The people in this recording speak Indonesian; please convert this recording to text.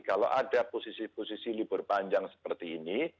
kalau ada posisi posisi libur panjang seperti ini